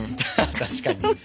確かに。